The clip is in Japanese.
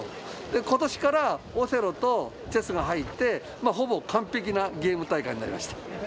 で今年からオセロとチェスが入ってほぼ完璧なゲーム大会になりました。